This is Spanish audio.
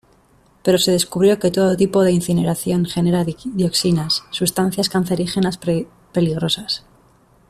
Pero se descubrió que todo tipo de incineración genera dioxinas, sustancias cancerígenas peligrosas.